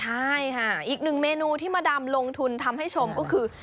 ใช่ค่ะอีกหนึ่งเมนูที่มาดำลงทุนทำให้ชมก็คือ